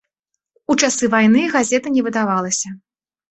У часы вайны газета не выдавалася.